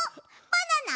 バナナ？